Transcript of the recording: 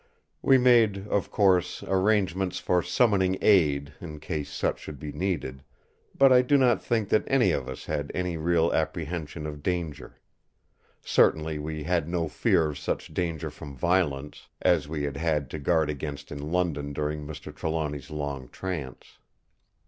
We made, of course, arrangements for summoning aid in case such should be needed; but I do not think that any of us had any real apprehension of danger. Certainly we had no fear of such danger from violence as we had had to guard against in London during Mr. Trelawny's long trance.